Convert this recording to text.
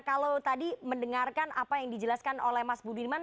kalau tadi mendengarkan apa yang dijelaskan oleh mas budiman